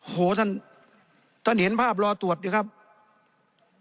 โหท่านท่านเห็นภาพรอตรวจอยู่ครับ